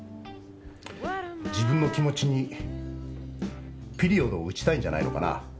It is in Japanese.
自分の気持ちにピリオドを打ちたいんじゃないのかな。